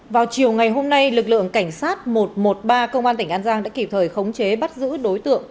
vào chiều ngày hôm nay lực lượng cảnh sát một trăm một mươi ba công an tỉnh an giang đã kịp thời khống chế bắt giữ đối tượng